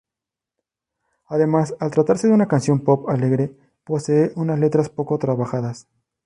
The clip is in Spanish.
Además, al tratarse de una canción pop alegre, posee unas letras poco trabajadas.